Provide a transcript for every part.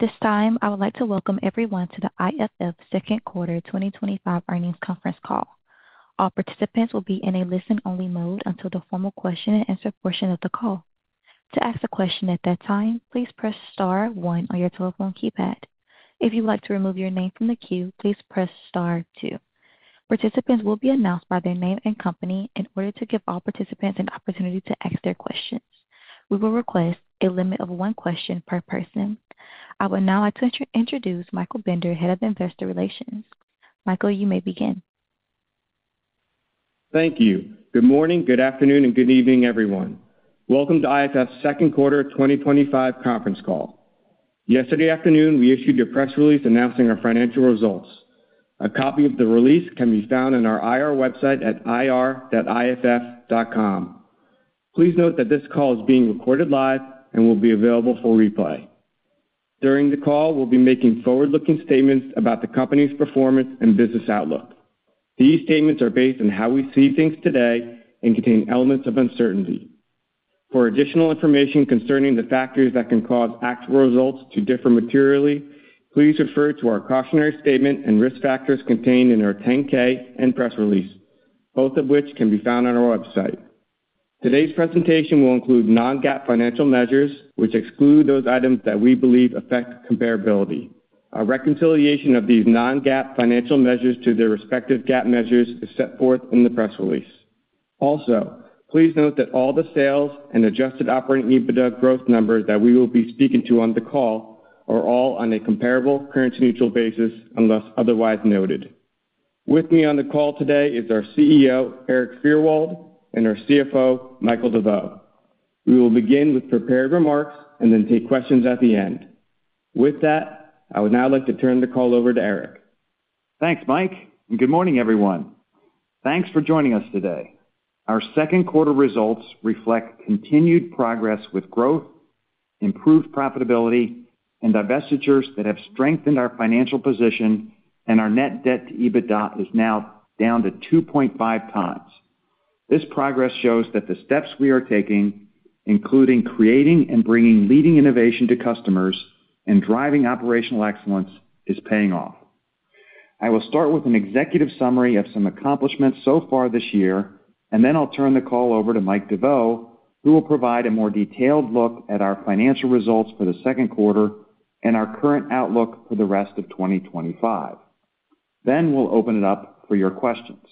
This time, I would like to welcome everyone to the IFF Second Quarter 2025 earnings conference call. All participants will be in a listen-only mode until the formal question and answer portion of the call. To ask a question at that time, please press star one on your telephone keypad. If you would like to remove your name from the queue, please press star two. Participants will be announced by their name and company in order to give all participants an opportunity to ask their questions. We will request a limit of one question per person. I would now like to introduce Michael Bender, Head of Investor Relations. Michael, you may begin. Thank you. Good morning, good afternoon, and good evening, everyone. Welcome to IFF's Second Quarter 2025 conference call. Yesterday afternoon, we issued a press release announcing our financial results. A copy of the release can be found on our IR website at ir.iff.com. Please note that this call is being recorded live and will be available for replay. During the call, we'll be making forward-looking statements about the company's performance and business outlook. These statements are based on how we see things today and contain elements of uncertainty. For additional information concerning the factors that can cause actual results to differ materially, please refer to our cautionary statement and risk factors contained in our 10-K and press release, both of which can be found on our website. Today's presentation will include non-GAAP financial measures, which exclude those items that we believe affect comparability. A reconciliation of these non-GAAP financial measures to their respective GAAP measures is set forth in the press release. Also, please note that all the sales and adjusted operating EBITDA growth numbers that we will be speaking to on the call are all on a comparable, currency-neutral basis unless otherwise noted. With me on the call today is our CEO, Erik Fyrwald, and our CFO, Michael Deveau. We will begin with prepared remarks and then take questions at the end. With that, I would now like to turn the call over to Erik. Thanks, Mike, and good morning, everyone. Thanks for joining us today. Our second quarter results reflect continued progress with growth, improved profitability, and divestitures that have strengthened our financial position, and our net debt to EBITDA is now down to 2.5x. This progress shows that the steps we are taking, including creating and bringing leading innovation to customers and driving operational excellence, are paying off. I will start with an executive summary of some accomplishments so far this year, and then I'll turn the call over to Mike Deveau, who will provide a more detailed look at our financial results for the second quarter and our current outlook for the rest of 2025. We'll open it up for your questions.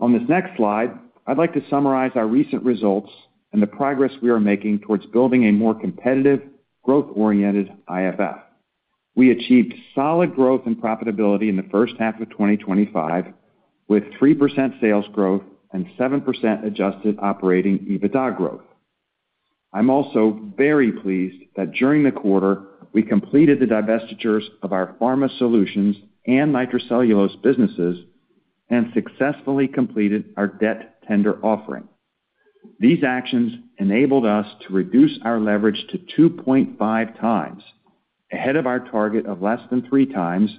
On this next slide, I'd like to summarize our recent results and the progress we are making towards building a more competitive, growth-oriented IFF. We achieved solid growth in profitability in the first half of 2025, with 3% sales growth and 7% adjusted operating EBITDA growth. I'm also very pleased that during the quarter, we completed the divestitures of our Pharma Solutions and Nitrocellulose businesses and successfully completed our debt tender offering. These actions enabled us to reduce our leverage to 2.5x, ahead of our target of less than 3x,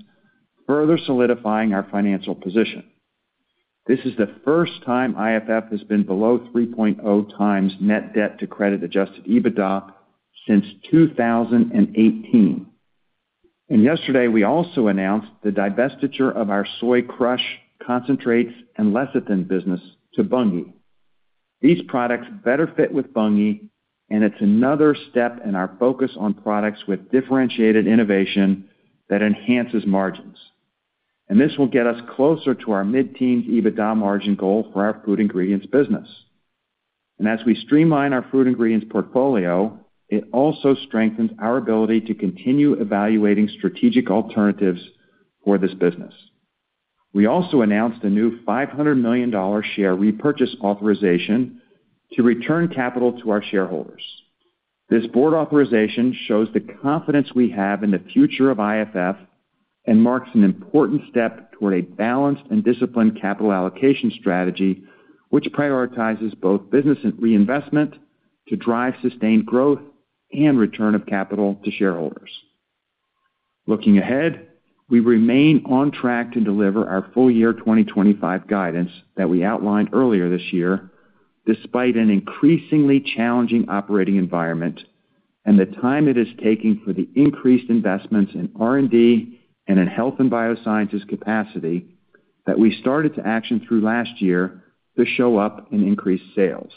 further solidifying our financial position. This is the first time IFF has been below 3.0x net debt to credit adjusted EBITDA since 2018. Yesterday, we also announced the divestiture of our soy crush concentrates and lecithin business to Bunge. These products better fit with Bunge, and it's another step in our focus on products with differentiated innovation that enhances margins. This will get us closer to our mid-teens EBITDA margin goal for our Food Ingredients business. As we streamline our Food Ingredients portfolio, it also strengthens our ability to continue evaluating strategic alternatives for this business. We also announced a new $500 million share repurchase authorization to return capital to our shareholders. This board authorization shows the confidence we have in the future of IFF and marks an important step toward a balanced and disciplined capital allocation strategy, which prioritizes both business reinvestment to drive sustained growth and return of capital to shareholders. Looking ahead, we remain on track to deliver our full-year 2025 guidance that we outlined earlier this year, despite an increasingly challenging operating environment and the time it is taking for the increased investments in R&D and in Health and Biosciences capacity that we started to action through last year to show up in increased sales.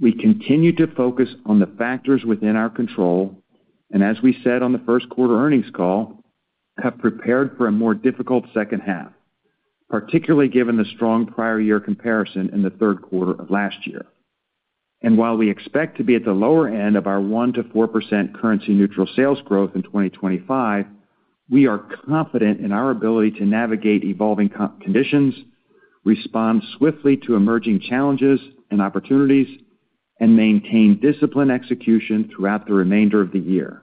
We continue to focus on the factors within our control, and as we said on the first quarter earnings call, have prepared for a more difficult second half, particularly given the strong prior year comparison in the third quarter of last year. While we expect to be at the lower end of our 1%-4% currency-neutral sales growth in 2025, we are confident in our ability to navigate evolving conditions, respond swiftly to emerging challenges and opportunities, and maintain disciplined execution throughout the remainder of the year.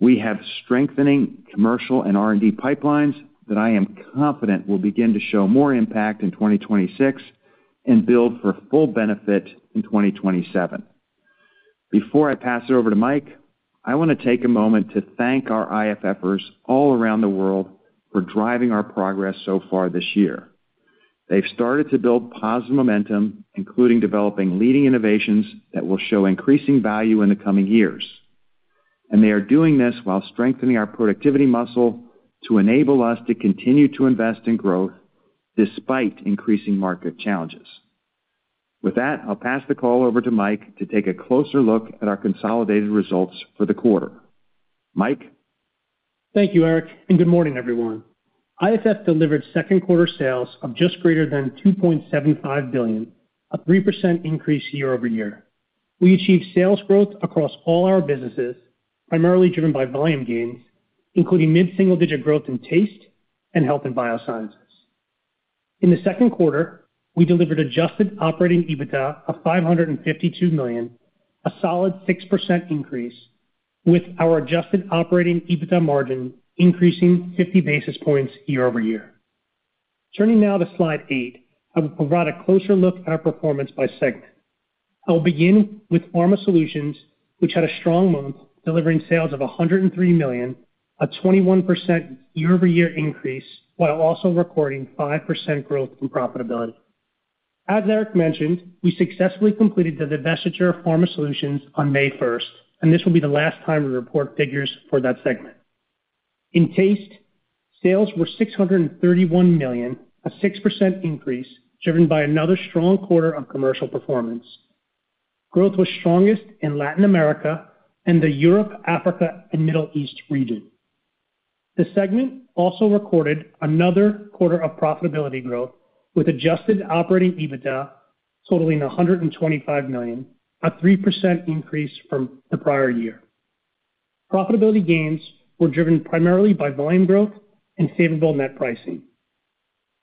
We have strengthening commercial and R&D pipelines that I am confident will begin to show more impact in 2026 and build for full benefit in 2027. Before I pass it over to Mike, I want to take a moment to thank our IFFers all around the world for driving our progress so far this year. They've started to build positive momentum, including developing leading innovations that will show increasing value in the coming years. They are doing this while strengthening our productivity muscle to enable us to continue to invest in growth despite increasing market challenges. With that, I'll pass the call over to Mike to take a closer look at our consolidated results for the quarter. Mike? Thank you, Erik, and good morning, everyone. IFF delivered second quarter sales of just greater than $2.75 billion, a 3% increase year-over-year. We achieved sales growth across all our businesses, primarily driven by volume gains, including mid-single-digit growth in Taste and Health and Biosciences. In the second quarter, we delivered adjusted operating EBITDA of $552 million, a solid 6% increase, with our adjusted operating EBITDA margin increasing 50 basis points year-over-year. Turning now to slide eight, I will provide a closer look at our performance by segment. I will begin with Pharma Solutions, which had a strong month, delivering sales of $103 million, a 21% year-over-year increase, while also recording 5% growth in profitability. As Erik mentioned, we successfully completed the divestiture of Pharma Solutions on May 1, and this will be the last time we report figures for that segment. In Taste, sales were $631 million, a 6% increase driven by another strong quarter of commercial performance. Growth was strongest in Latin America and the Europe, Africa, and Middle East region. The segment also recorded another quarter of profitability growth, with adjusted operating EBITDA totaling $125 million, a 3% increase from the prior year. Profitability gains were driven primarily by volume growth and favorable net pricing.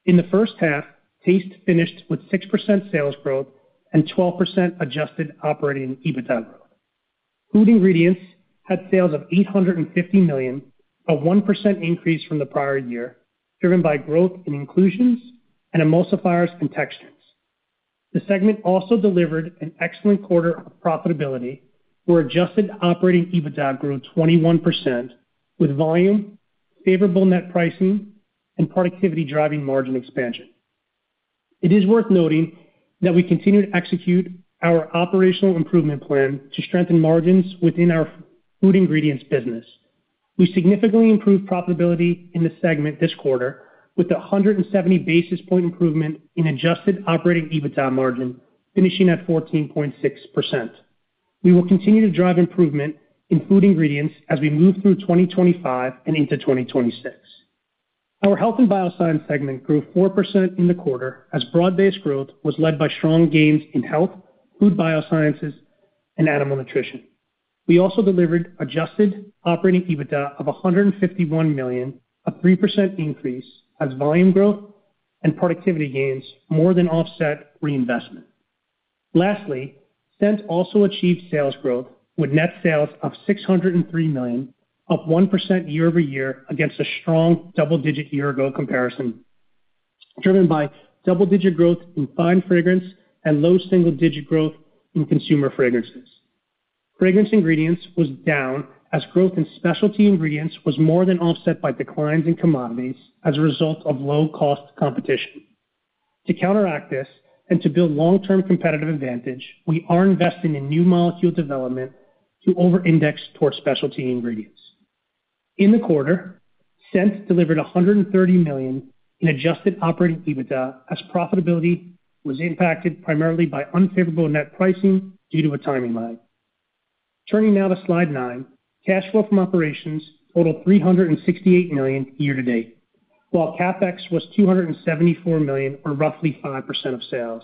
In the first half, Taste finished with 6% sales growth and 12% adjusted operating EBITDA growth. Food Ingredients had sales of $850 million, a 1% increase from the prior year, driven by growth in inclusions and emulsifiers and textures. The segment also delivered an excellent quarter of profitability where adjusted operating EBITDA grew 21% with volume, favorable net pricing, and productivity driving margin expansion. It is worth noting that we continue to execute our operational improvement plan to strengthen margins within our Food Ingredients business. We significantly improved profitability in the segment this quarter with a 170 basis point improvement in adjusted operating EBITDA margin, finishing at 14.6%. We will continue to drive improvement in Food Ingredients as we move through 2025 and into 2026. Our Health and Biosciences segment grew 4% in the quarter as broad-based growth was led by strong gains in Health, Food Biosciences, and animal nutrition. We also delivered adjusted operating EBITDA of $151 million, a 3% increase as volume growth and productivity gains more than offset reinvestment. Lastly, Scent also achieved sales growth with net sales of $603 million, up 1% year-over-year against a strong double-digit year-ago comparison, driven by double-digit growth in fine fragrance and low single-digit growth in consumer fragrances. Fragrance Ingredients was down as growth in specialty Ingredients was more than offset by declines in commodities as a result of low-cost competition. To counteract this and to build long-term competitive advantage, we are investing in new molecule development to over-index towards specialty Ingredients. In the quarter, Scent delivered $130 million in adjusted operating EBITDA as profitability was impacted primarily by unfavorable net pricing due to a timing lag. Turning now to slide nine, cash flow from operations totaled $368 million year to date, while CapEx was $274 million, or roughly 5% of sales.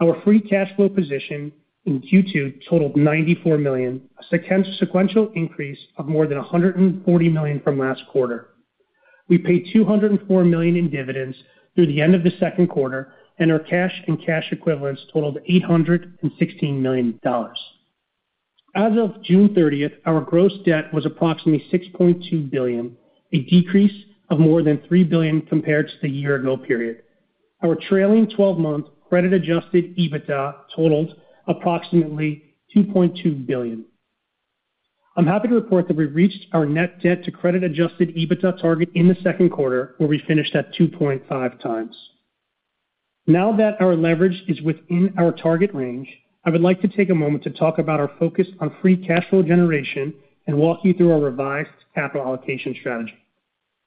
Our free cash flow position in Q2 totaled $94 million, a sequential increase of more than $140 million from last quarter. We paid $204 million in dividends through the end of the second quarter, and our cash and cash equivalents totaled $816 million. As of June 30, our gross debt was approximately $6.2 billion, a decrease of more than $3 billion compared to the year-ago period. Our trailing 12-month credit-adjusted EBITDA totaled approximately $2.2 billion. I'm happy to report that we reached our net debt to credit-adjusted EBITDA target in the second quarter, where we finished at 2.5x. Now that our leverage is within our target range, I would like to take a moment to talk about our focus on free cash flow generation and walk you through our revised capital allocation strategy.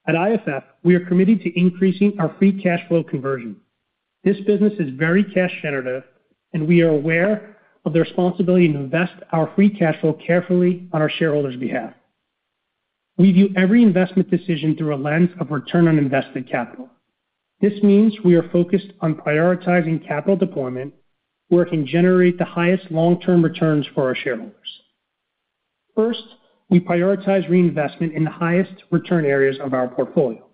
At IFF, we are committed to increasing our free cash flow conversion. This business is very cash-generative, and we are aware of the responsibility to invest our free cash flow carefully on our shareholders' behalf. We view every investment decision through a lens of return on invested capital. This means we are focused on prioritizing capital deployment where it can generate the highest long-term returns for our shareholders. First, we prioritize reinvestment in the highest return areas of our portfolio.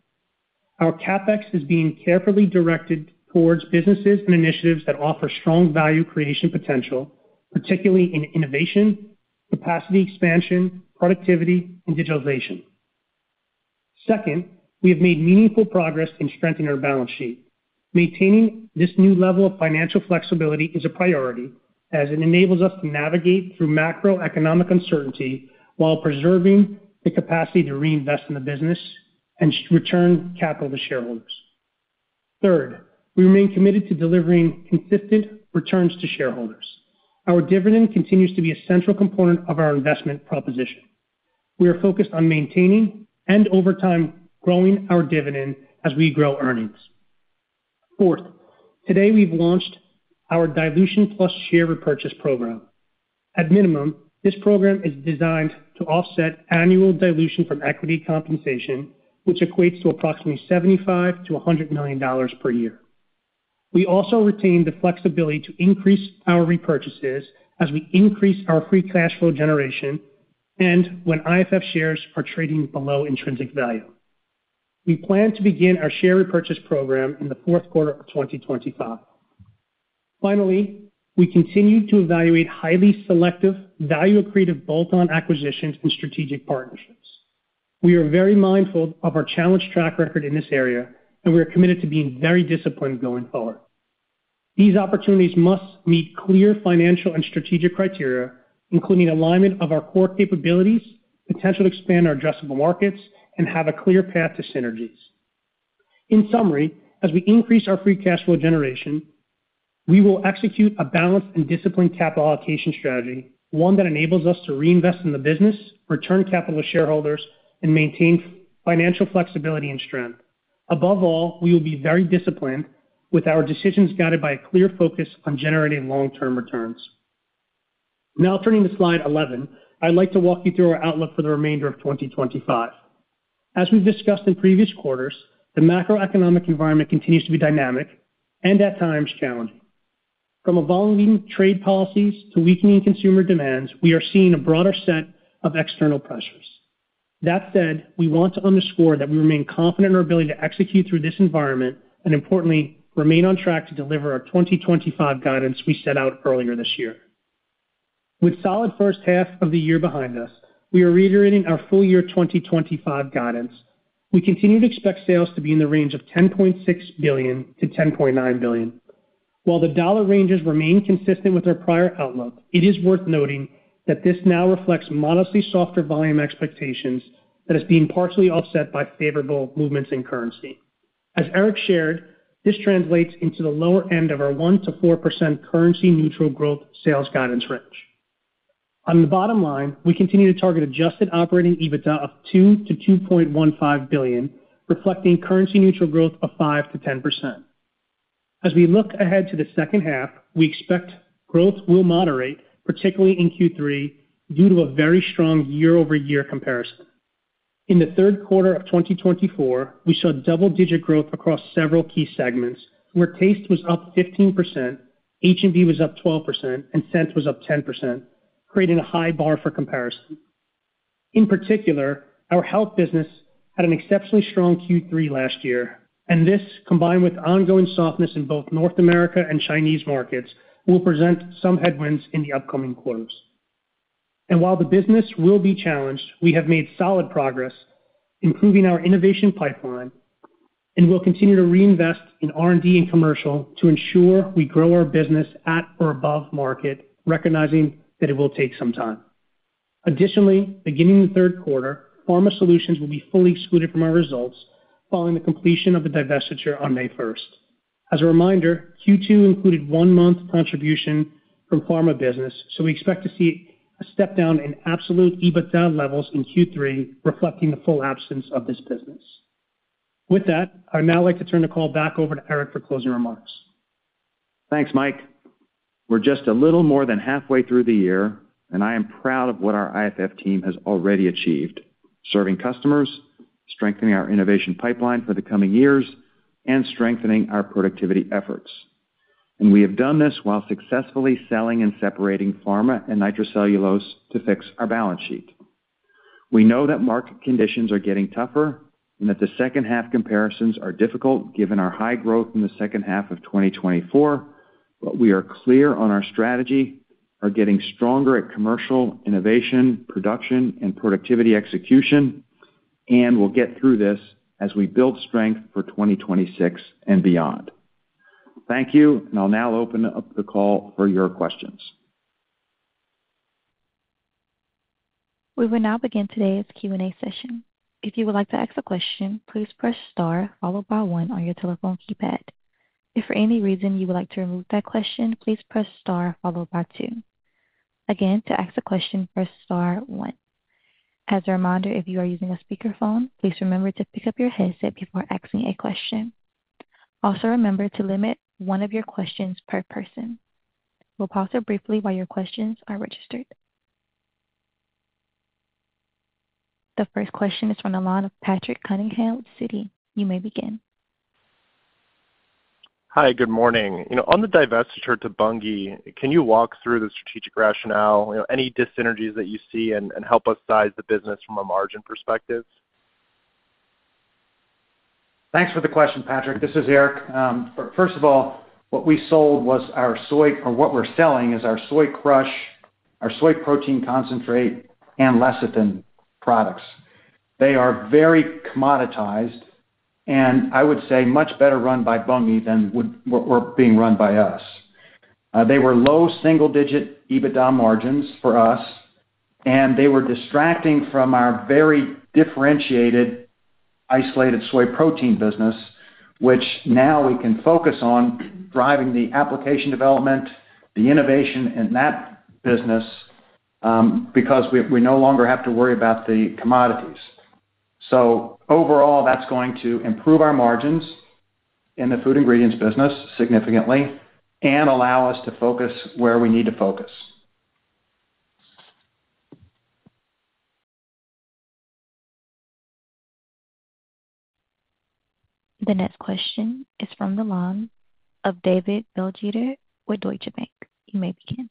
Our CapEx is being carefully directed towards businesses and initiatives that offer strong value creation potential, particularly in innovation, capacity expansion, productivity, and digitalization. Second, we have made meaningful progress in strengthening our balance sheet. Maintaining this new level of financial flexibility is a priority as it enables us to navigate through macroeconomic uncertainty while preserving the capacity to reinvest in the business and return capital to shareholders. Third, we remain committed to delivering consistent returns to shareholders. Our dividend continues to be a central component of our investment proposition. We are focused on maintaining and, over time, growing our dividend as we grow earnings. Fourth, today we've launched our dilution plus share repurchase program. At minimum, this program is designed to offset annual dilution from equity compensation, which equates to approximately $75 million-$100 million per year. We also retain the flexibility to increase our repurchases as we increase our free cash flow generation and when IFF shares are trading below intrinsic value. We plan to begin our share repurchase program in the fourth quarter of 2025. Finally, we continue to evaluate highly selective value-accretive bolt-on acquisitions and strategic partnerships. We are very mindful of our challenged track record in this area, and we are committed to being very disciplined going forward. These opportunities must meet clear financial and strategic criteria, including alignment of our core capabilities, potential to expand our addressable markets, and have a clear path to synergies. In summary, as we increase our free cash flow generation, we will execute a balanced and disciplined capital allocation strategy, one that enables us to reinvest in the business, return capital to shareholders, and maintain financial flexibility and strength. Above all, we will be very disciplined with our decisions guided by a clear focus on generating long-term returns. Now, turning to slide 11, I'd like to walk you through our outlook for the remainder of 2025. As we've discussed in previous quarters, the macro-economic environment continues to be dynamic and, at times, challenging. From evolving trade policies to weakening consumer demands, we are seeing a broader set of external pressures. That said, we want to underscore that we remain confident in our ability to execute through this environment and, importantly, remain on track to deliver our 2025 guidance we set out earlier this year. With a solid first half of the year behind us, we are reiterating our full-year 2025 guidance. We continue to expect sales to be in the range of $10.6 billion-$10.9 billion. While the dollar ranges remain consistent with our prior outlook, it is worth noting that this now reflects modestly softer volume expectations that are being partially offset by favorable movements in currency. As Erik shared, this translates into the lower end of our 1%-4% currency-neutral growth sales guidance range. On the bottom line, we continue to target adjusted operating EBITDA of $2 billion-$2.15 billion, reflecting currency-neutral growth of 5%-10%. As we look ahead to the second half, we expect growth will moderate, particularly in Q3, due to a very strong year-over-year comparison. In the third quarter of 2024, we saw double-digit growth across several key segments, where Taste was up 15%, Health and Biosciences was up 12%, and Scent was up 10%, creating a high bar for comparison. In particular, our Health business had an exceptionally strong Q3 last year, and this, combined with ongoing softness in both North America and China markets, will present some headwinds in the upcoming quarters. While the business will be challenged, we have made solid progress improving our innovation pipeline, and we'll continue to reinvest in R&D and commercial to ensure we grow our business at or above market, recognizing that it will take some time. Additionally, beginning the third quarter, Pharma Solutions will be fully excluded from our results following the completion of the divestiture on May 1. As a reminder, Q2 included one-month contribution from Pharma Solutions business, so we expect to see a step down in absolute EBITDA levels in Q3, reflecting the full absence of this business. With that, I would now like to turn the call back over to Erik for closing remarks. Thanks, Mike. We're just a little more than halfway through the year, and I am proud of what our IFF team has already achieved, serving customers, strengthening our innovation pipeline for the coming years, and strengthening our productivity efforts. We have done this while successfully selling and separating Pharma Solutions and Nitrocellulose to fix our balance sheet. We know that market conditions are getting tougher and that the second half comparisons are difficult given our high growth in the second half of 2024. We are clear on our strategy, are getting stronger at commercial innovation, production, and productivity execution, and we'll get through this as we build strength for 2026 and beyond. Thank you, and I'll now open up the call for your questions. We will now begin today's Q&A session. If you would like to ask a question, please press star, followed by one on your telephone keypad. If for any reason you would like to remove that question, please press star, followed by two. Again, to ask a question, press star one. As a reminder, if you are using a speakerphone, please remember to pick up your headset before asking a question. Also, remember to limit one of your questions per person. We'll pause briefly while your questions are registered. The first question is from the line of Patrick Cunningham, Citi. You may begin. Hi, good morning. On the divestiture to Bunge, can you walk through the strategic rationale, any dis-synergies that you see, and help us size the business from a margin perspective? Thanks for the question, Patrick. This is Erik. First of all, what we sold was our soy, or what we're selling is our soy crush, our soy protein concentrate, and lecithin products. They are very commoditized, and I would say much better run by Bunge than were being run by us. They were low single-digit EBITDA margins for us, and they were distracting from our very differentiated isolated soy protein business, which now we can focus on driving the application development, the innovation in that business because we no longer have to worry about the commodities. Overall, that's going to improve our margins in the Food Ingredients business significantly and allow us to focus where we need to focus. The next question is from the line of David Begleiter with Deutsche Bank. You may begin.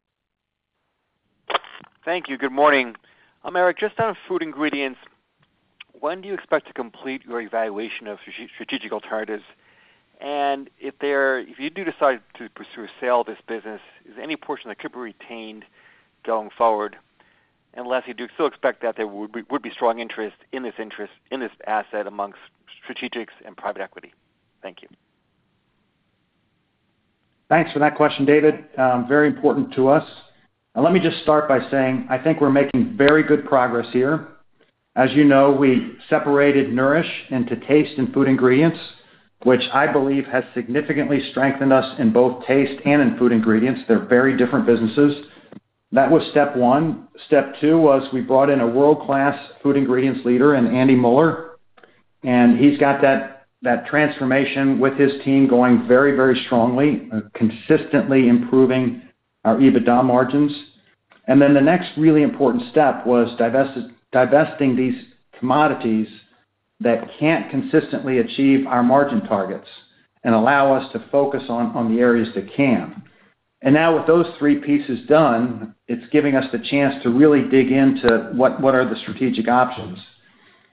Thank you. Good morning. I'm Erik, just on Food Ingredients. When do you expect to complete your evaluation of strategic alternatives? If you do decide to pursue a sale of this business, is any portion that could be retained going forward? You do still expect that there would be strong interest in this asset amongst strategics and private equity. Thank you. Thanks for that question, David. Very important to us. Let me just start by saying I think we're making very good progress here. As you know, we separated Nourish into Taste and Food Ingredients, which I believe has significantly strengthened us in both Taste and in Food Ingredients. They're very different businesses. That was step one. Step two was we brought in a world-class Food Ingredients leader, an Andy Müller, and he's got that transformation with his team going very, very strongly, consistently improving our EBITDA margins. The next really important step was divesting these commodities that can't consistently achieve our margin targets and allow us to focus on the areas that can. Now with those three pieces done, it's giving us the chance to really dig into what are the strategic options.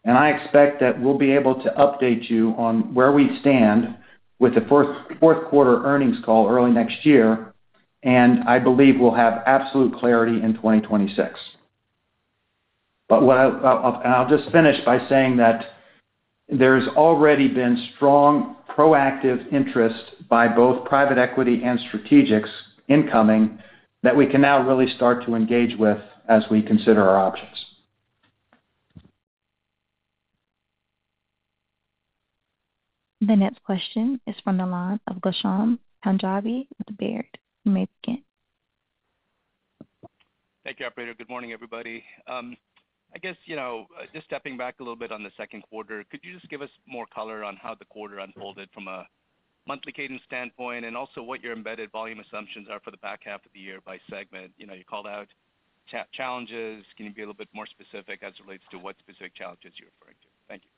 I expect that we'll be able to update you on where we stand with the fourth quarter earnings call early next year. I believe we'll have absolute clarity in 2026. What I'll just finish by saying is that there's already been strong proactive interest by both private equity and strategics incoming that we can now really start to engage with as we consider our options. The next question is from the line of Ghansham Panjabi with Baird. You may begin. Thank you, operator. Good morning, everybody. Just stepping back a little bit on the second quarter, could you give us more color on how the quarter unfolded from a monthly cadence standpoint and also what your embedded volume assumptions are for the back half of the year by segment? You called out challenges. Can you be a little bit more specific as it relates to what specific challenges you're referring to? Thank you.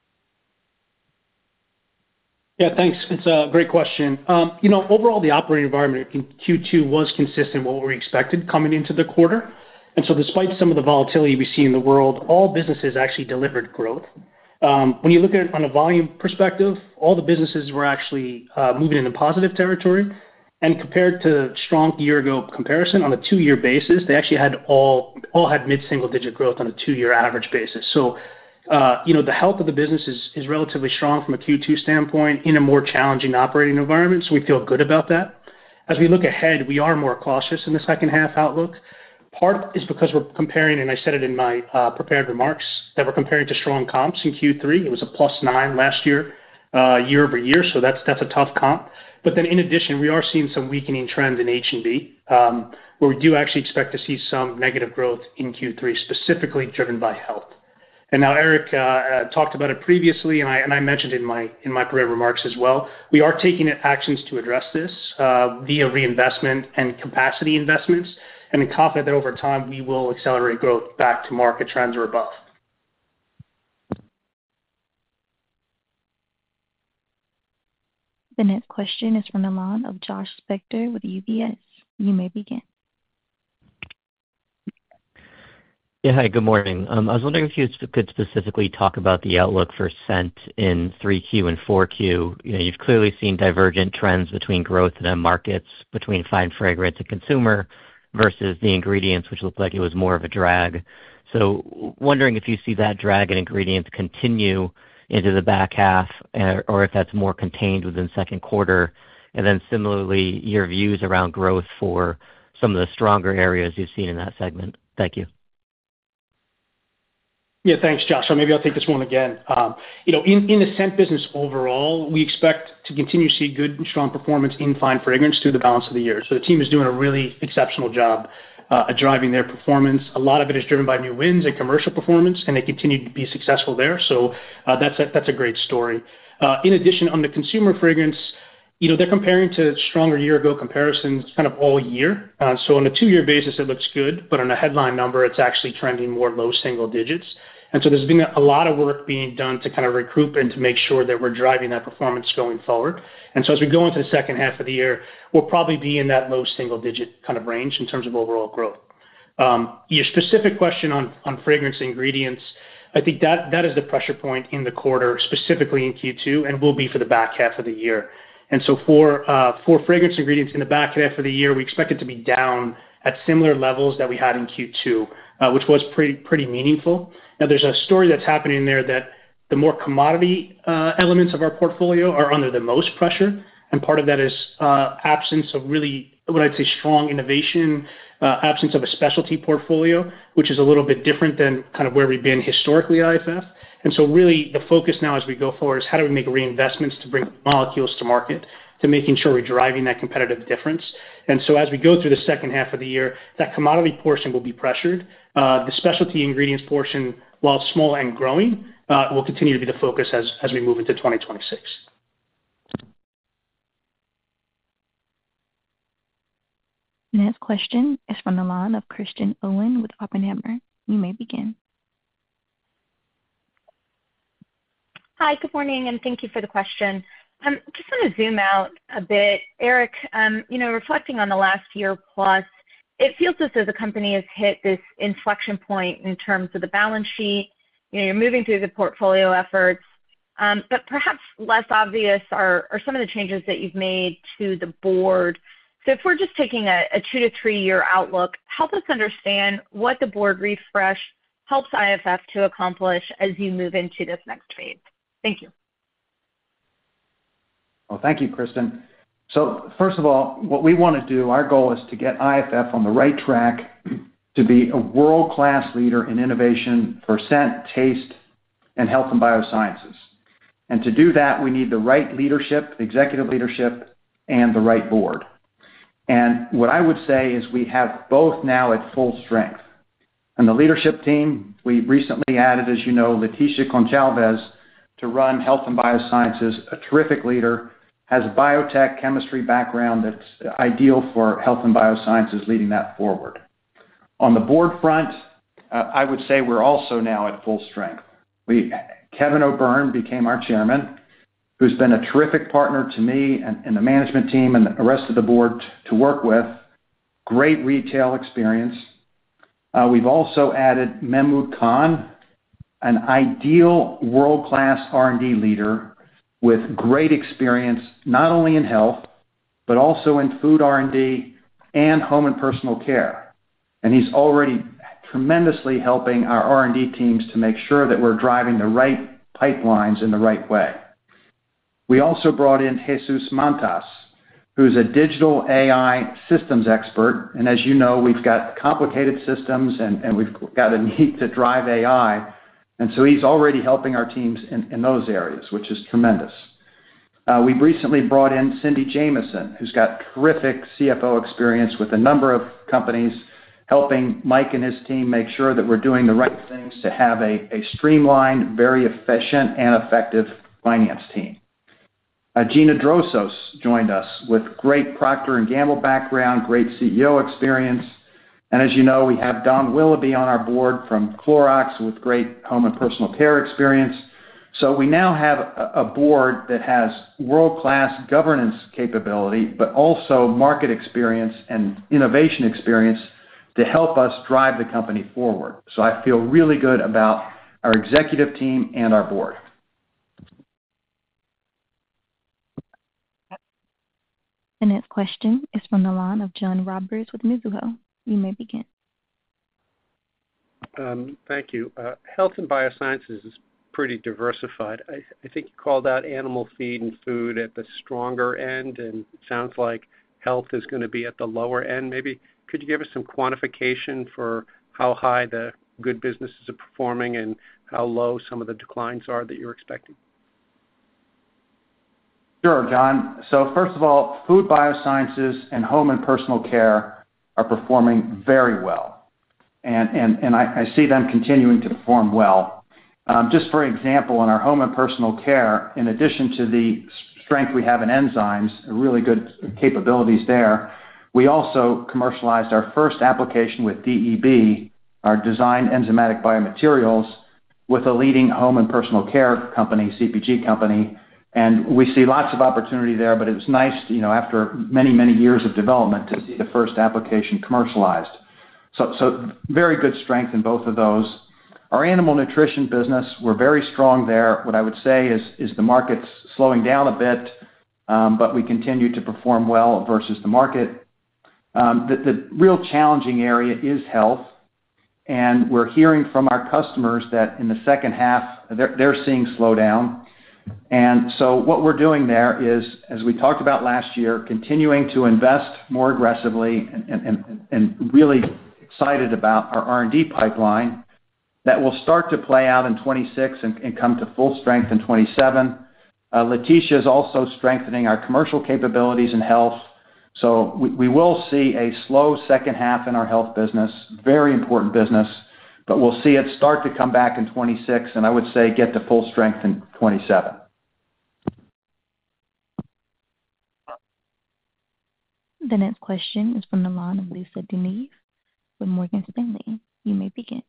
Yeah, thanks. It's a great question. Overall, the operating environment in Q2 was consistent with what we expected coming into the quarter. Despite some of the volatility we see in the world, all businesses actually delivered growth. When you look at it on a volume perspective, all the businesses were actually moving into positive territory. Compared to a strong year-ago comparison on a two-year basis, they actually all had mid-single-digit growth on a two-year average basis. The Health of the business is relatively strong from a Q2 standpoint in a more challenging operating environment. We feel good about that. As we look ahead, we are more cautious in the second half outlook. Part is because we're comparing, and I said it in my prepared remarks, that we're comparing to strong comps in Q3. It was a +9% last year, year-over-year. That's a tough comp. In addition, we are seeing some weakening trends in H&B, where we do actually expect to see some negative growth in Q3, specifically driven by Health. Erik talked about it previously, and I mentioned it in my prepared remarks as well. We are taking actions to address this via reinvestment and capacity investments. I'm confident that over time, we will accelerate growth back to market trends or above. The next question is from the line of Joshua Spector with UBS. You may begin. Yeah, hi, good morning. I was wondering if you could specifically talk about the outlook for Scent in 3Q and 4Q. You've clearly seen divergent trends between growth and markets, between fine fragrance and consumer versus the Ingredients, which looked like it was more of a drag. I am wondering if you see that drag in Ingredients continue into the back half or if that's more contained within the second quarter. Similarly, your views around growth for some of the stronger areas you've seen in that segment. Thank you. Yeah, thanks, Josh. Maybe I'll take this one again. You know, in the Scent business overall, we expect to continue to see good and strong performance in fine fragrance through the balance of the year. The team is doing a really exceptional job at driving their performance. A lot of it is driven by new wins and commercial performance, and they continue to be successful there. That's a great story. In addition, on the consumer fragrance, they're comparing to stronger year-ago comparisons kind of all year. On a two-year basis, it looks good, but on a headline number, it's actually trending more low single digits. There's been a lot of work being done to kind of recruit and to make sure that we're driving that performance going forward. As we go into the second half of the year, we'll probably be in that low single-digit kind of range in terms of overall growth. Your specific question on fragrance Ingredients, I think that is the pressure point in the quarter, specifically in Q2, and will be for the back half of the year. For fragrance Ingredients in the back half of the year, we expect it to be down at similar levels that we had in Q2, which was pretty meaningful. Now, there's a story that's happening there that the more commodity elements of our portfolio are under the most pressure. Part of that is absence of really, what I'd say, strong innovation, absence of a specialty portfolio, which is a little bit different than kind of where we've been historically at IFF. Really, the focus now as we go forward is how do we make reinvestments to bring molecules to market, to making sure we're driving that competitive difference. As we go through the second half of the year, that commodity portion will be pressured. The specialty Ingredients portion, while small and growing, will continue to be the focus as we move into 2026. The next question is from the line of Kristen Owen with Oppenheimer. You may begin. Hi, good morning, and thank you for the question. I just want to zoom out a bit. Erik, you know, reflecting on the last year plus, it feels as though the company has hit this inflection point in terms of the balance sheet. You know, you're moving through the portfolio efforts, but perhaps less obvious are some of the changes that you've made to the board. If we're just taking a 2-3 year outlook, help us understand what the board refresh helps IFF to accomplish as you move into this next phase? Thank you. Thank you, Kristen. First of all, what we want to do, our goal is to get IFF on the right track to be a world-class leader in innovation for Scent, Taste, and Health and Biosciences. To do that, we need the right leadership, executive leadership, and the right board. What I would say is we have both now at full strength. The leadership team, we recently added, as you know, Leticia Gonçalves to run Health and Biosciences, a terrific leader, has a biotech chemistry background that's ideal for Health and Biosciences leading that forward. On the board front, I would say we're also now at full strength. Kevin O'Byrne became our Chairman, who's been a terrific partner to me and the management team and the rest of the board to work with. Great retail experience. We've also added Mehmood Khan, an ideal world-class R&D leader with great experience not only in Health, but also in Food R&D and home and personal care. He's already tremendously helping our R&D teams to make sure that we're driving the right pipelines in the right way. We also brought in Jesus Mantas, who's a digital AI systems expert. As you know, we've got complicated systems and we've got a need to drive AI. He's already helping our teams in those areas, which is tremendous. We've recently brought in Cindy Jameson, who's got terrific CFO experience with a number of companies, helping Mike and his team make sure that we're doing the right things to have a streamlined, very efficient and effective finance team. Gina Drosos joined us with great Procter & Gamble background, great CEO experience. As you know, we have Don Willoughby on our board from Clorox with great home and personal care experience. We now have a board that has world-class governance capability, but also market experience and innovation experience to help us drive the company forward. I feel really good about our executive team and our board. The next question is from the line of John Roberts with Mizuho. You may begin. Thank you. Health and Biosciences is pretty diversified. I think you called out animal feed and Food at the stronger end, and it sounds like Health is going to be at the lower end. Maybe, could you give us some quantification for how high the good businesses are performing and how low some of the declines are that you're expecting? Sure, John. First of all, Food Biosciences and home and personal care are performing very well. I see them continuing to perform well. For example, in our home and personal care, in addition to the strength we have in enzymes, really good capabilities there, we also commercialized our first application with DEB, our designed enzymatic biomaterials, with a leading home and personal care company, CPG company. We see lots of opportunity there. It was nice, after many, many years of development, to see the first application commercialized. Very good strength in both of those. Our animal nutrition business, we're very strong there. What I would say is the market's slowing down a bit, but we continue to perform well versus the market. The real challenging area is Health. We're hearing from our customers that in the second half, they're seeing slowdown. What we're doing there is, as we talked about last year, continuing to invest more aggressively and really excited about our R&D pipeline that will start to play out in 2026 and come to full strength in 2027. Leticia is also strengthening our commercial capabilities in Health. We will see a slow second half in our Health business, very important business, but we'll see it start to come back in 2026, and I would say get to full strength in 2027. The next question is from the line of Lisa De Neve from Morgan Stanley. You may begin.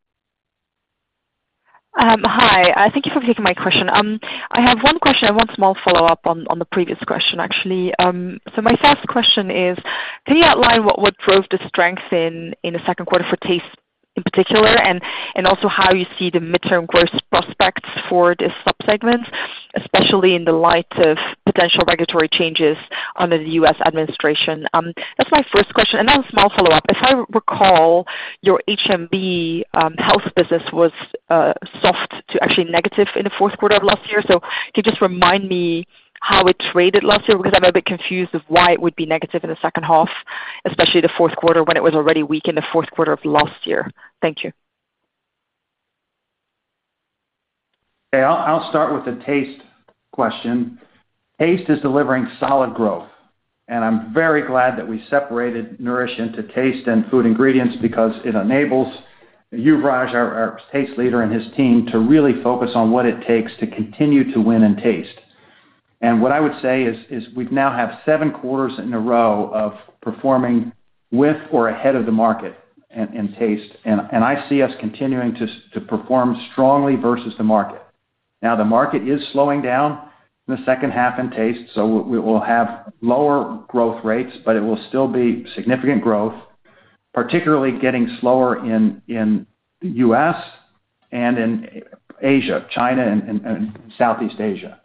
Hi, thank you for taking my question. I have one question. I want a small follow-up on the previous question, actually. My first question is, can you outline what would prove the strength in the second quarter for Taste in particular, and also how you see the mid-term growth prospects for this subsegment, especially in the light of potential regulatory changes under the U.S. administration? That's my first question. I have a small follow-up. If I recall, your H&B Health business was soft to actually negative in the fourth quarter of last year. Can you just remind me how it traded last year? I'm a bit confused with why it would be negative in the second half, especially the fourth quarter when it was already weak in the fourth quarter of last year? Thank you. Okay, I'll start with the Taste question. Taste is delivering solid growth. I'm very glad that we separated Nourish into Taste and Food Ingredients because it enables Yuvraj, our Taste leader, and his team to really focus on what it takes to continue to win in Taste. What I would say is we now have seven quarters in a row of performing with or ahead of the market in Taste. I see us continuing to perform strongly versus the market. The market is slowing down in the second half in Taste, so we will have lower growth rates, but it will still be significant growth, particularly getting slower in the U.S. and in Asia, China, and Southeast Asia.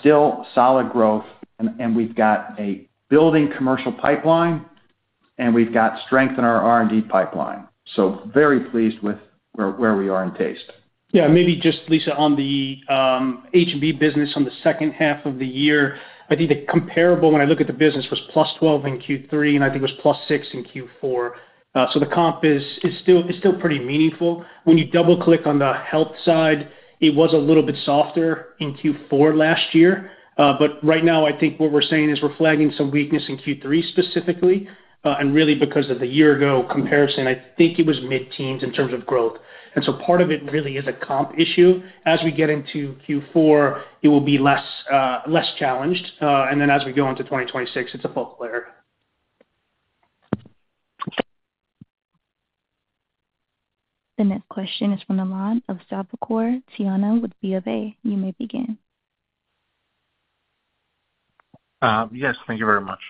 Still solid growth, and we've got a building commercial pipeline, and we've got strength in our R&D pipeline. Very pleased with where we are in Taste. Yeah, maybe just Lisa on the H&B business on the second half of the year. I think the comparable when I look at the business was +12% in Q3, and I think it was +6% in Q4. The comp is still pretty meaningful. When you double-click on the Health side, it was a little bit softer in Q4 last year. Right now, I think what we're saying is we're flagging some weakness in Q3 specifically. Really, because of the year-ago comparison, I think it was mid-teens in terms of growth. Part of it really is a comp issue. As we get into Q4, it will be less challenged. As we go into 2026, it's a bulk layer. The next question is from the line of Salvator Tiano with BofA. You may begin. Yes, thank you very much.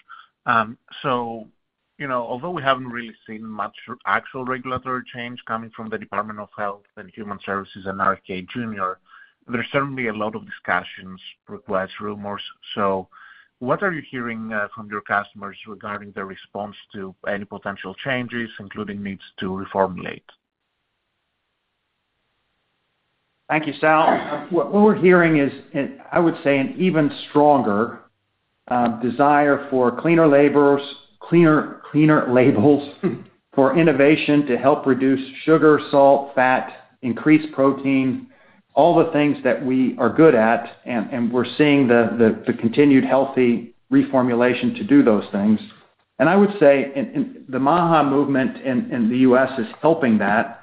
You know, although we haven't really seen much actual regulatory change coming from the Department of Health and Human Services and RFK Jr., there's certainly a lot of discussions, requests, rumors. What are you hearing from your customers regarding their response to any potential changes, including needs to reformulate? Thank you Sal. What we're hearing is, I would say, an even stronger desire for cleaner labels, cleaner labels for innovation to help reduce sugar, salt, fat, increase protein, all the things that we are good at. We're seeing the continued Healthy reformulation to do those things. I would say the MAHA movement in the U.S. is helping that,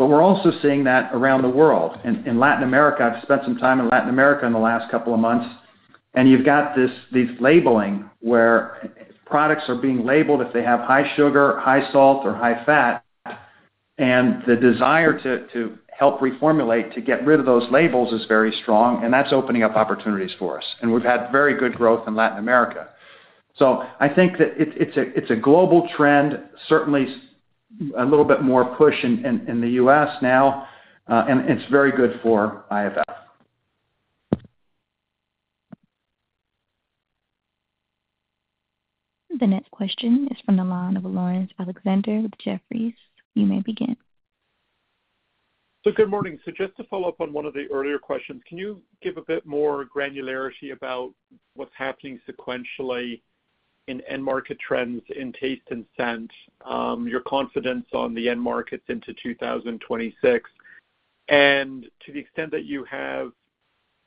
but we're also seeing that around the world. In Latin America, I've spent some time in Latin America in the last couple of months, and you've got this labeling where products are being labeled if they have high sugar, high salt, or high fat. The desire to help reformulate to get rid of those labels is very strong, and that's opening up opportunities for us. We've had very good growth in Latin America. I think that it's a global trend, certainly a little bit more push in the U.S.now, and it's very good for IFF. The next question is from the line of Laurence Alexander with Jefferies. You may begin. Good morning. Just to follow up on one of the earlier questions, can you give a bit more granularity about what's happening sequentially in end market trends in Taste and Scent, your confidence on the end markets into 2026? To the extent that you have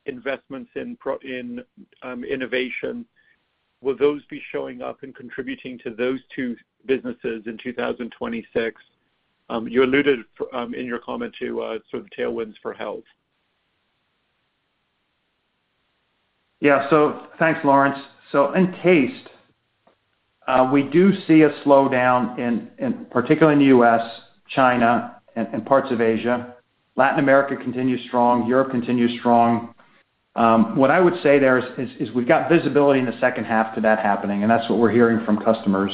investments in innovation, will those be showing up and contributing to those two businesses in 2026? You alluded in your comment to sort of the tailwinds for Health. Yeah, thanks, Laurence. In Taste, we do see a slowdown in particular in the U.S., China, and parts of Asia. Latin America continues strong. Europe continues strong. What I would say there is we've got visibility in the second half to that happening, and that's what we're hearing from customers.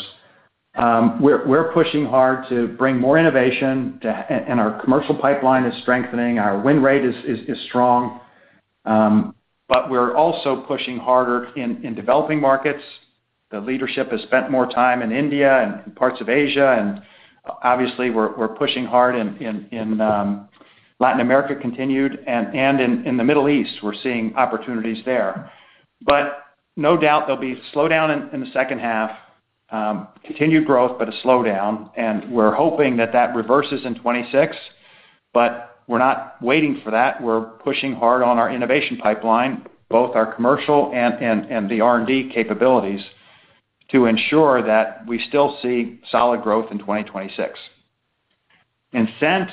We're pushing hard to bring more innovation, and our commercial pipeline is strengthening. Our win rate is strong. We're also pushing harder in developing markets. The leadership has spent more time in India and parts of Asia, and obviously we're pushing hard in Latin America continued, and in the Middle East. We're seeing opportunities there. There will be a slowdown in the second half, continued growth, but a slowdown. We're hoping that reverses in 2026, but we're not waiting for that. We're pushing hard on our innovation pipeline, both our commercial and the R&D capabilities to ensure that we still see solid growth in 2026. In Scent,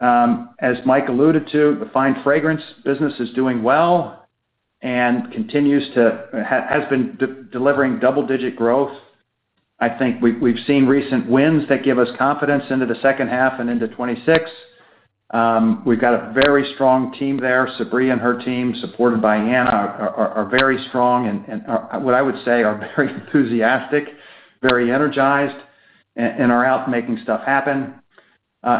as Mike alluded to, the fine fragrance business is doing well and continues to, has been delivering double-digit growth. I think we've seen recent wins that give us confidence into the second half and into 2026. We've got a very strong team there. Sabrina and her team, supported by Anna, are very strong and what I would say are very enthusiastic, very energized, and are out making stuff happen.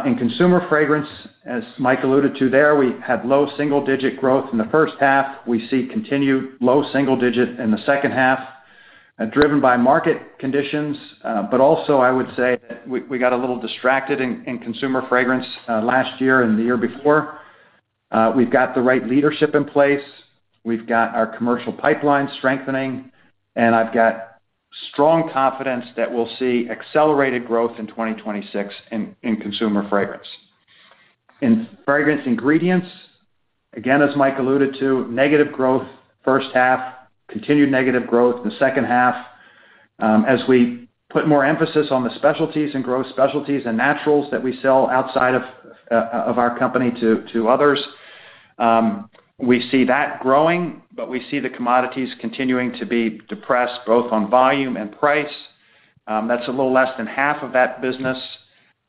In consumer fragrance, as Mike alluded to, we had low single-digit growth in the first half. We see continued low single-digit in the second half, driven by market conditions, but also I would say that we got a little distracted in consumer fragrance last year and the year before. We've got the right leadership in place. We've got our commercial pipeline strengthening, and I've got strong confidence that we'll see accelerated growth in 2026 in consumer fragrance. In fragrance Ingredients, again, as Mike alluded to, negative growth first half, continued negative growth in the second half. As we put more emphasis on the specialties and grow specialties and naturals that we sell outside of our company to others, we see that growing, but we see the commodities continuing to be depressed both on volume and price. That's a little less than half of that business.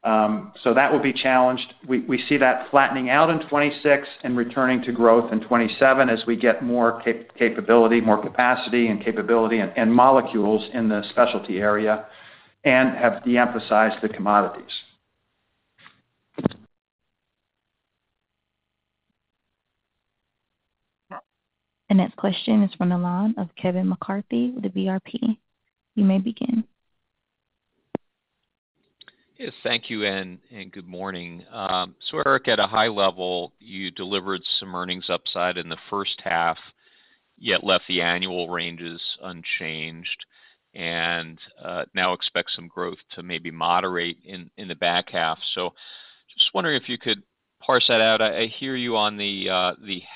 That will be challenged. We see that flattening out in 2026 and returning to growth in 2027 as we get more capability, more capacity, and capability and molecules in the specialty area and have de-emphasized the commodities. The next question is from the line of Kevin McCarthy with VRP. You may begin. Yes, thank you, and good morning. Erik, at a high level, you delivered some earnings upside in the first half, yet left the annual ranges unchanged and now expect some growth to maybe moderate in the back half. I'm just wondering if you could parse that out. I hear you on the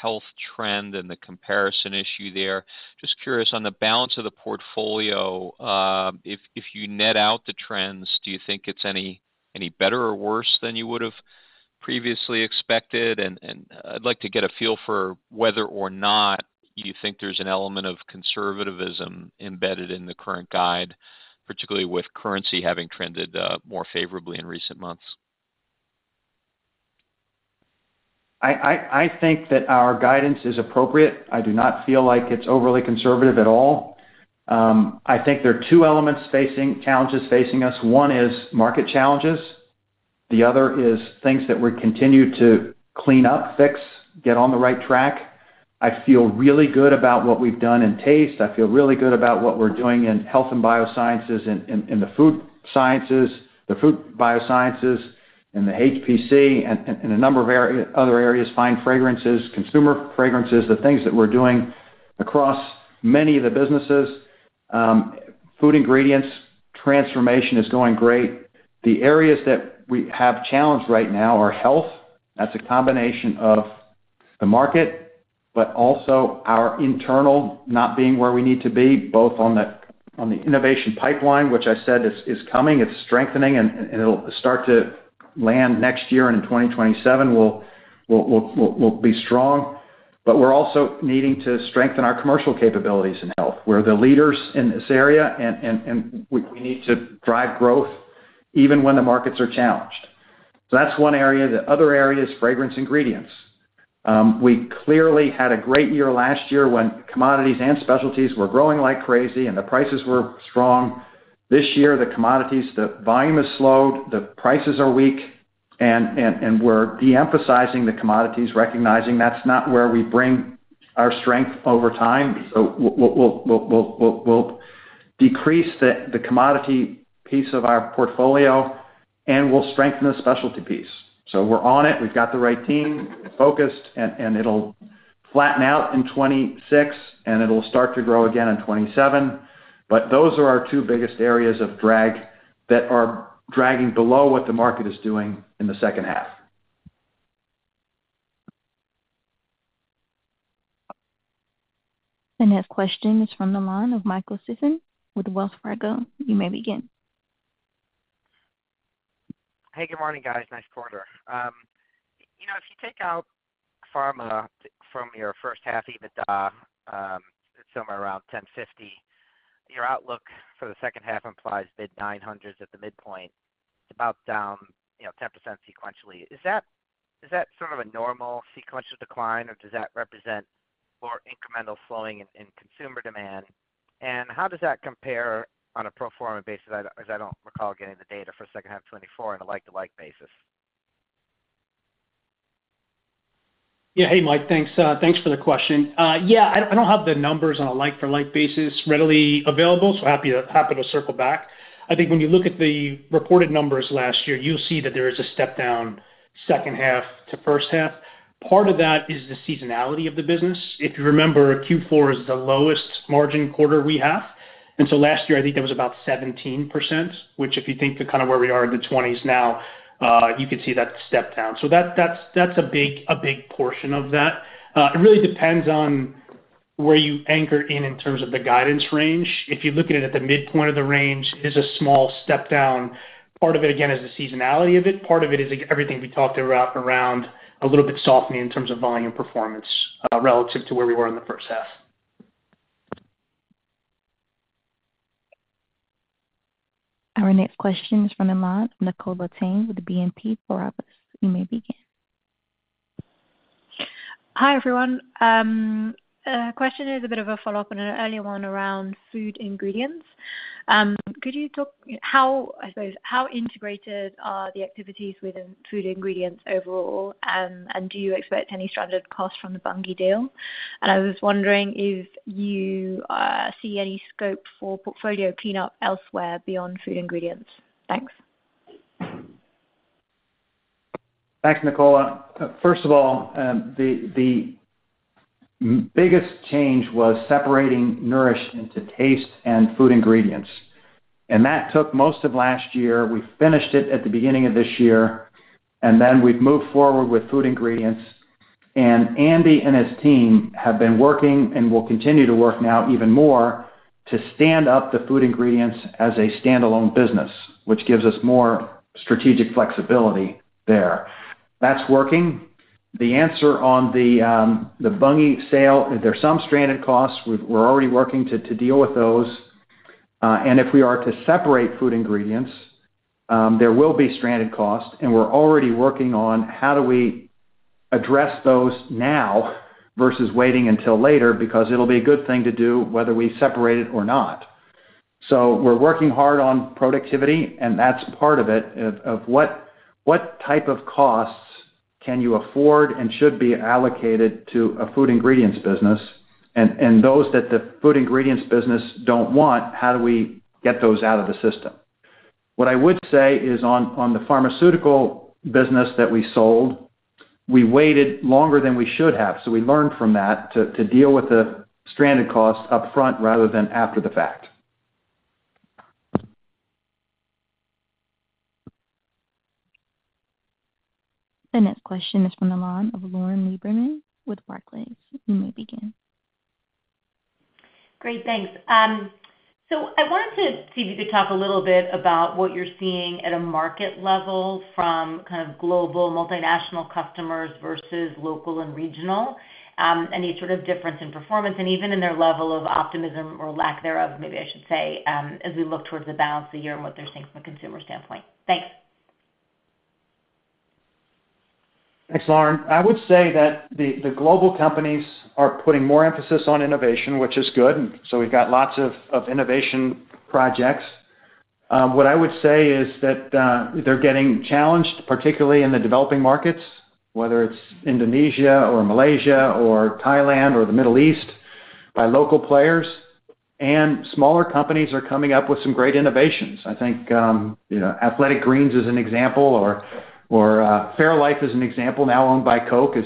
Health trend and the comparison issue there. Just curious, on the balance of the portfolio, if you net out the trends, do you think it's any better or worse than you would have previously expected? I'd like to get a feel for whether or not you think there's an element of conservatism embedded in the current guide, particularly with currency having trended more favorably in recent months. I think that our guidance is appropriate. I do not feel like it's overly conservative at all. I think there are two elements facing challenges facing us. One is market challenges. The other is things that we continue to clean up, fix, get on the right track. I feel really good about what we've done in Taste. I feel really good about what we're doing in Health and Biosciences, in the Food sciences, the Food Biosciences, and the HPC, and a number of other areas, fine fragrances, consumer fragrances, the things that we're doing across many of the businesses. Food Ingredients transformation is going great. The areas that we have challenged right now are Health. That's a combination of the market, but also our internal not being where we need to be, both on the innovation pipeline, which I said is coming, it's strengthening, and it'll start to land next year, and in 2027, we'll be strong. We're also needing to strengthen our commercial capabilities in Health. We're the leaders in this area, and we need to drive growth even when the markets are challenged. That's one area. The other area is fragrance Ingredients. We clearly had a great year last year when commodities and specialties were growing like crazy, and the prices were strong. This year, the commodities, the volume has slowed, the prices are weak, and we're de-emphasizing the commodities, recognizing that's not where we bring our strength over time. We'll decrease the commodity piece of our portfolio, and we'll strengthen the specialty piece. We're on it. We've got the right team focused, and it'll flatten out in 2026, and it'll start to grow again in 2027. Those are our two biggest areas of drag that are dragging below what the market is doing in the second half. The next question is from the line of Michael Sison with Wells Fargo. You may begin. Hey, good morning, guys. Nice quarter. You know, if you take out Pharma from your first half EBITDA, it's somewhere around $10.50. Your outlook for the second half implies mid-$900s at the midpoint, about down 10% sequentially. Is that sort of a normal sequential decline, or does that represent more incremental slowing in consumer demand? How does that compare on a pro forma basis? I don't recall getting the data for second half 2024 on a like-to-like basis. Yeah, hey Mike, thanks for the question. I don't have the numbers on a like-for-like basis readily available, so happy to circle back. I think when you look at the reported numbers last year, you'll see that there is a step down second half to first half. Part of that is the seasonality of the business. If you remember, Q4 is the lowest margin quarter we have. Last year, I think that was about 17%, which if you think of kind of where we are in the 20s now, you could see that step down. That's a big portion of that. It really depends on where you anchor in in terms of the guidance range. If you look at it at the midpoint of the range, it is a small step down. Part of it, again, is the seasonality of it. Part of it is everything we talked about around a little bit softening in terms of volume performance relative to where we were in the first half. Our next question is from the line of Nicola Tang with BNP Paribas. You may begin. Hi everyone. A question is a bit of a follow-up on an earlier one around Food Ingredients. Could you talk how, I suppose, how integrated are the activities within Food Ingredients overall? Do you expect any stranded cost from the Bunge deal? I was wondering if you see any scope for portfolio cleanup elsewhere beyond Food Ingredients. Thanks. Thanks, Nicola. First of all, the biggest change was separating Nourish into Taste and Food Ingredients. That took most of last year. We finished it at the beginning of this year, and then we've moved forward with Food Ingredients. Andy and his team have been working and will continue to work now even more to stand up the Food Ingredients as a standalone business, which gives us more strategic flexibility there. That's working. The answer on the Bunge sale, there's some stranded costs. We're already working to deal with those. If we are to separate Food Ingredients, there will be stranded costs. We're already working on how do we address those now versus waiting until later because it'll be a good thing to do whether we separate it or not. We're working hard on productivity, and that's part of it. What type of costs can you afford and should be allocated to a Food Ingredients business? Those that the Food Ingredients business don't want, how do we get those out of the system? What I would say is on the Pharma Solutions business that we sold, we waited longer than we should have. We learned from that to deal with the stranded costs upfront rather than after the fact. The next question is from the line of Lauren Lieberman with Barclays. You may begin. Great, thanks. I wanted to see if you could talk a little bit about what you're seeing at a market level from kind of global multinational customers versus local and regional. Any sort of difference in performance and even in their level of optimism or lack thereof, maybe I should say, as we look towards the balance of the year and what they're seeing from a consumer standpoint. Thanks. Thanks, Lauren. I would say that the global companies are putting more emphasis on innovation, which is good. We've got lots of innovation projects. What I would say is that they're getting challenged, particularly in the developing markets, whether it's Indonesia, Malaysia, Thailand, or the Middle East, by local players. Smaller companies are coming up with some great innovations. I think Athletic Greens is an example, or Fairlife is an example, now owned by Coke,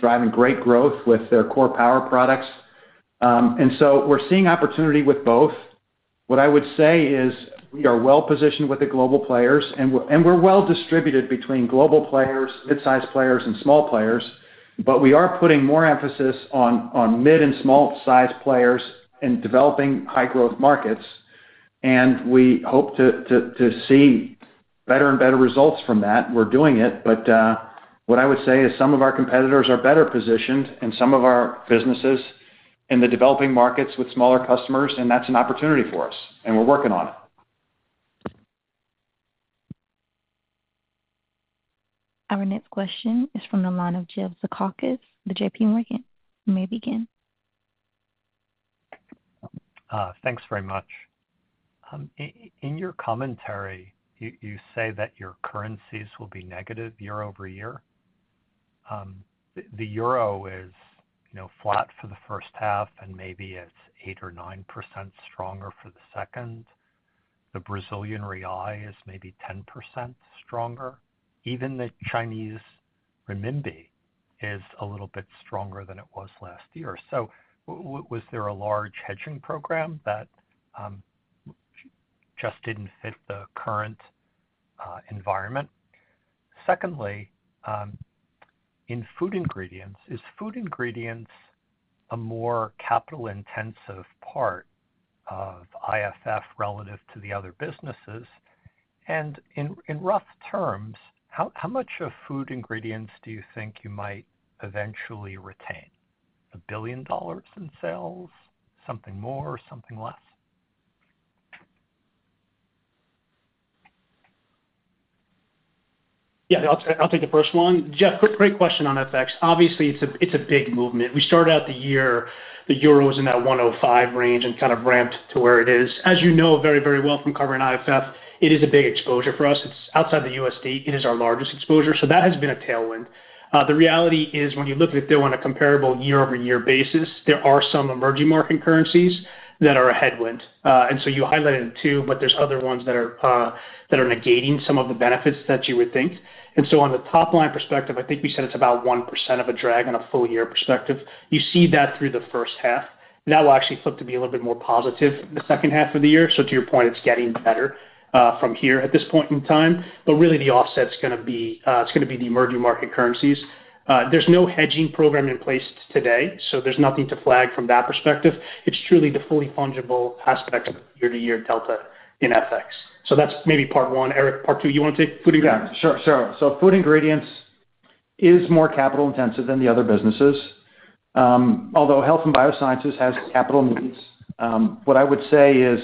driving great growth with their core power products. We're seeing opportunity with both. I would say we are well positioned with the global players, and we're well distributed between global players, mid-sized players, and small players. We are putting more emphasis on mid and small-sized players in developing high-growth markets. We hope to see better and better results from that. We're doing it. What I would say is some of our competitors are better positioned and some of our businesses in the developing markets with smaller customers, and that's an opportunity for us. We're working on it. Our next question is from the line of Jeffrey Zekauskas of JPMorgan. You may begin. Thanks very much. In your commentary, you say that your currencies will be negative year-over-year. The Euro is flat for the first half, and maybe it's 8% or 9% stronger for the second. The Brazilian real is maybe 10% stronger. Even the Chinese renminbi is a little bit stronger than it was last year. Was there a large hedging program that just didn't fit the current environment? In Food Ingredients, is Food Ingredients a more capital-intensive part of IFF relative to the other businesses? In rough terms, how much of Food Ingredients do you think you might eventually retain? $1 billion in sales, something more, something less? Yeah, I'll take the first one. Great question on FX. Obviously, it's a big movement. We started out the year, the Euro was in that 1.05 range and kind of ramped to where it is. As you know very, very well from covering IFF, it is a big exposure for us. It's outside the USD. It is our largest exposure. That has been a tailwind. The reality is when you look at it on a comparable year-over-year basis, there are some emerging market currencies that are a headwind. You highlighted it too, but there are other ones that are negating some of the benefits that you would think. On the top line perspective, I think we said it's about 1% of a drag on a full year perspective. You see that through the first half. That will actually flip to be a little bit more positive in the second half of the year. To your point, it's getting better from here at this point in time. The offset is going to be the emerging market currencies. There's no hedging program in place today, so there's nothing to flag from that perspective. It's truly the fully fungible aspect of the year-to-year delta in FX. That's maybe part one. Erik, part two, you want to take? Sure. Food Ingredients is more capital-intensive than the other businesses. Although Health and Biosciences has capital needs, what I would say is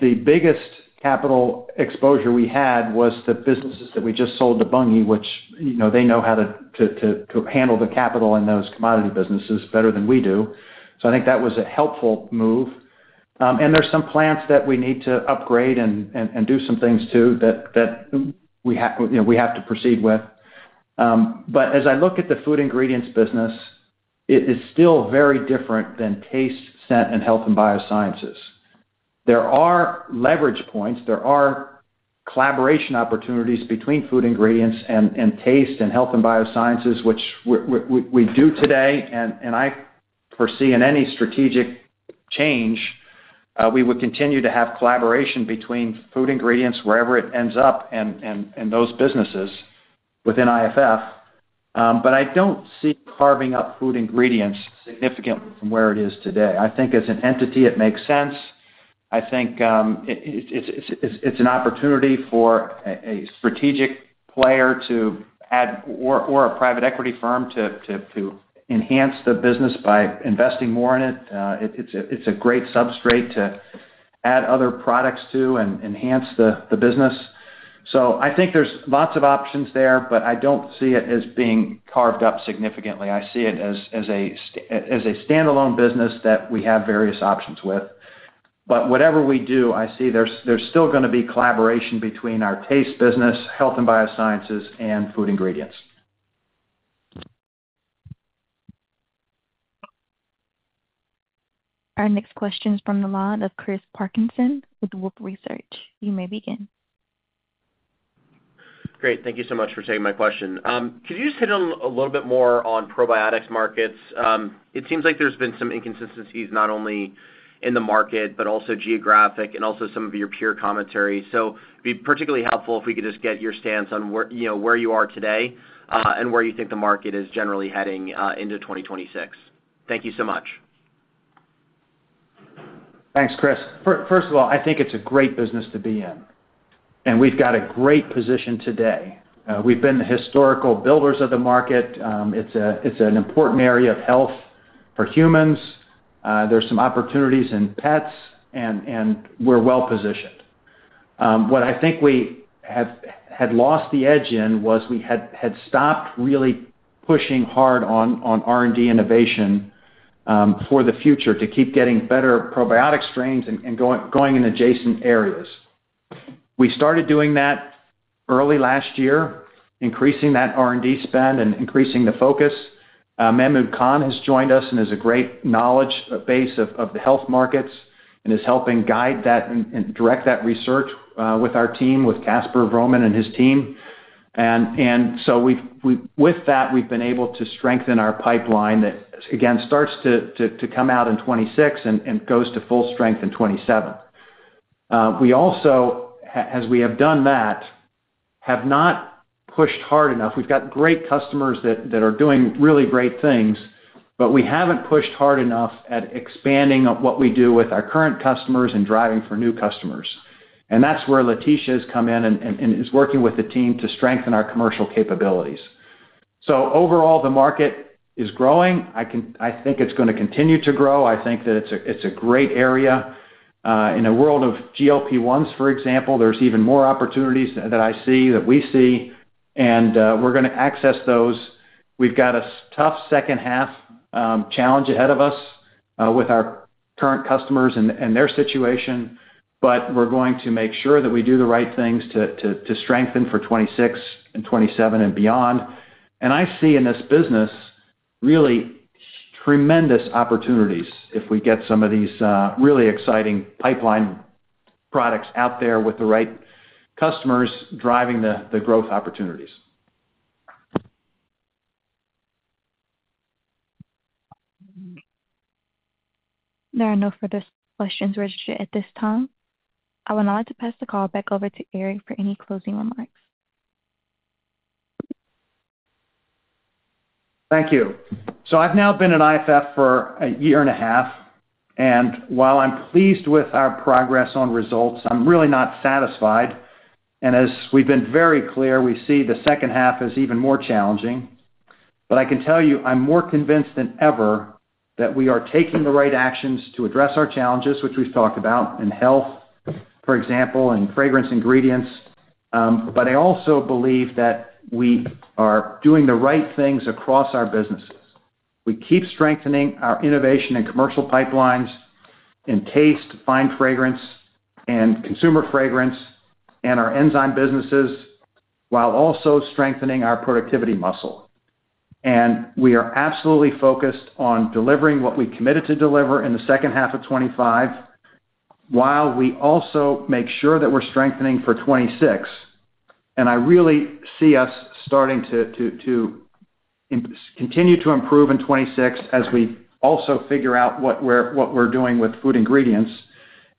the biggest capital exposure we had was the businesses that we just sold to Bunge, which they know how to handle the capital in those commodity businesses better than we do. I think that was a helpful move. There are some plants that we need to upgrade and do some things to that we have to proceed with. As I look at the Food Ingredients business, it is still very different than Taste, Scent, and Health and Biosciences. There are leverage points. There are collaboration opportunities between Food Ingredients and Taste and Health and Biosciences, which we do today. I foresee in any strategic change, we would continue to have collaboration between Food Ingredients wherever it ends up and those businesses within IFF. I don't see carving up Food Ingredients significantly from where it is today. I think as an entity, it makes sense. I think it's an opportunity for a strategic player to add or a private equity firm to enhance the business by investing more in it. It's a great substrate to add other products to and enhance the business. I think there's lots of options there, but I don't see it as being carved up significantly. I see it as a standalone business that we have various options with. Whatever we do, I see there's still going to be collaboration between our Taste business, Health and Biosciences, and Food Ingredients. Our next question is from the line of Chris Parkinson with Wolfe Research. You may begin. Great. Thank you so much for taking my question. Could you just hit on a little bit more on probiotics markets? It seems like there's been some inconsistencies not only in the market, but also geographic and also some of your peer commentary. It would be particularly helpful if we could just get your stance on where you are today and where you think the market is generally heading into 2026. Thank you so much. Thanks, Chris. First of all, I think it's a great business to be in, and we've got a great position today. We've been the historical builders of the market. It's an important area of Health for humans. There are some opportunities in pets, and we're well positioned. What I think we had lost the edge in was we had stopped really pushing hard on R&D innovation for the future to keep getting better probiotic strains and going in adjacent areas. We started doing that early last year, increasing that R&D spend and increasing the focus. Mehmood Khan has joined us and is a great knowledge base of the Health markets and is helping guide that and direct that research with our team, with Casper Vroman and his team. With that, we've been able to strengthen our pipeline that, again, starts to come out in 2026 and goes to full strength in 2027. We also, as we have done that, have not pushed hard enough. We've got great customers that are doing really great things, but we haven't pushed hard enough at expanding what we do with our current customers and driving for new customers. That is where Leticia has come in and is working with the team to strengthen our commercial capabilities. Overall, the market is growing. I think it's going to continue to grow. I think that it's a great area. In a world of GLP-1s, for example, there are even more opportunities that I see, that we see, and we're going to access those. We've got a tough second half challenge ahead of us with our current customers and their situation, but we're going to make sure that we do the right things to strengthen for 2026 and 2027 and beyond. I see in this business really tremendous opportunities if we get some of these really exciting pipeline products out there with the right customers driving the growth opportunities. There are no further questions registered at this time. I would like to pass the call back over to Erik for any closing remarks. Thank you. I've now been at IFF for a year and a half, and while I'm pleased with our progress on results, I'm really not satisfied. As we've been very clear, we see the second half is even more challenging. I can tell you I'm more convinced than ever that we are taking the right actions to address our challenges, which we've talked about in Health, for example, and fragrance Ingredients. I also believe that we are doing the right things across our businesses. We keep strengthening our innovation and commercial pipelines in Taste, fine fragrance, and consumer fragrance, and our enzyme businesses, while also strengthening our productivity muscle. We are absolutely focused on delivering what we committed to deliver in the second half of 2025, while we also make sure that we're strengthening for 2026. I really see us starting to continue to improve in 2026 as we also figure out what we're doing with Food Ingredients.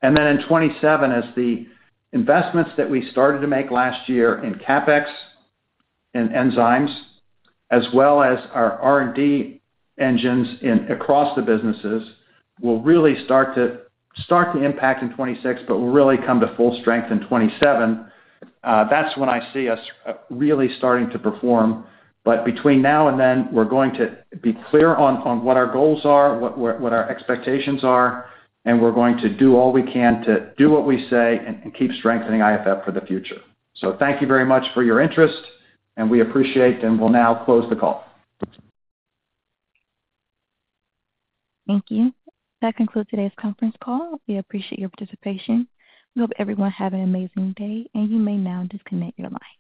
In 2027, as the investments that we started to make last year in CapEx and enzymes, as well as our R&D engines across the businesses, will really start to impact in 2026, but will really come to full strength in 2027. That's when I see us really starting to perform. Between now and then, we're going to be clear on what our goals are, what our expectations are, and we're going to do all we can to do what we say and keep strengthening IFF for the future. Thank you very much for your interest, and we appreciate it. We'll now close the call. Thank you. That concludes today's conference call. We appreciate your participation. We hope everyone has an amazing day, and you may now disconnect your line.